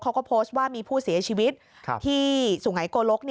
เขาก็โพสต์ว่ามีผู้เสียชีวิตที่สุไงโกลก